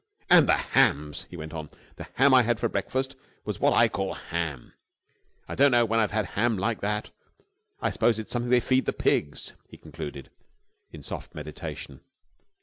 "And the hams!" he went on. "The ham I had for breakfast was what I call ham! I don't know when I've had ham like that. I suppose it's something they feed the pigs," he concluded, in soft meditation.